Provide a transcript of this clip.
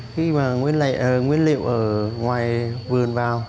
khi mà nguyên liệu ở ngoài vườn vào